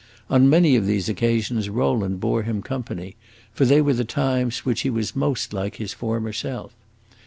On many of these occasions Rowland bore him company, for they were the times when he was most like his former self.